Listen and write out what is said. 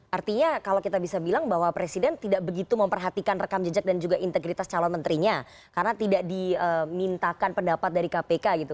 artinya kalau kita bisa bilang bahwa presiden tidak begitu memperhatikan rekam jejak dan juga integritas calon menterinya karena tidak dimintakan pendapat dari kpk gitu